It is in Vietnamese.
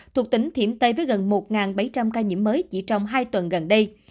thuộc tỉnh thiểm tây với gần một bảy trăm linh ca nhiễm mới chỉ trong hai tuần gần đây